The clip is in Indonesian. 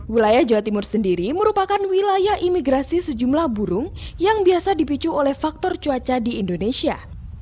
wilayah jawa timur sendiri merupakan wilayah imigrasi sejumlah burung yang biasa dipicu oleh faktor cuaca di indonesia